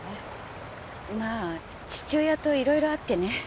まあ父親といろいろあってね。